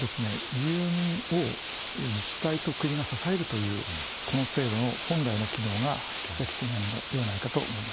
住民を自治体と国が支えるというこの制度の本来の機能が発揮できていないのではないかと思います。